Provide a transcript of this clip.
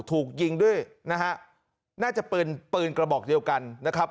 ถูกยิงด้วยนะฮะน่าจะปืนปืนกระบอกเดียวกันนะครับ